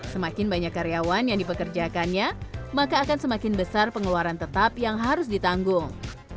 semakin banyak karyawan yang dipekerjakannya maka akan semakin besar pengeluaran tetap yang harus ditanggung